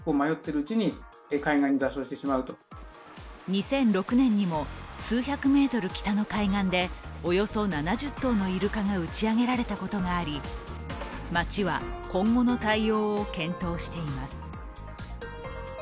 ２００６年にも数百ｍ北の海岸でおよそ７０頭のイルカが打ち上げられたことがあり町は今後の対応を検討しています。